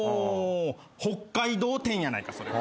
北海道展やないかそれは。